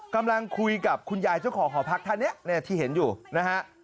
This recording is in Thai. กำลังคุยกับคุณยายเจ้าของหอพักท่านเนี่ยที่เห็นอยู่นะฮะ